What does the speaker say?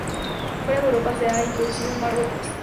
Fuera de Europa se ha introducido en Marruecos.